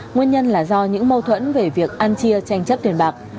nguyên nhân là do những mâu thuẫn về việc ăn chia tranh chấp tiền bạc